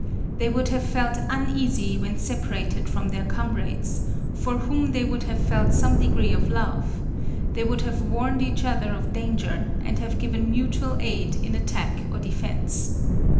They would have felt uneasy when separated from their comrades, for whom they would have felt some degree of love; they would have warned each other of danger, and have given mutual aid in attack or defence.